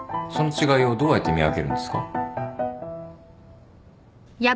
その違いをどうやって見分けるんですか？